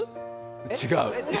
違う。